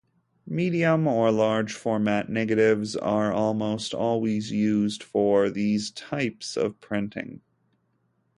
Medium or large format negatives are almost always used for these types of printing.